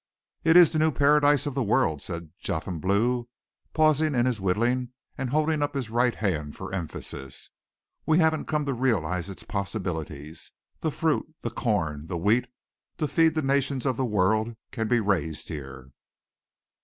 "It is the new paradise of the world," said Jotham Blue, pausing in his whittling and holding up his right hand for emphasis. "We haven't come to realize its possibilities. The fruit, the corn, the wheat, to feed the nations of the world can be raised here.